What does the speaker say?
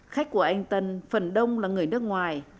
khách của anh tân phần đông là người nước ngoài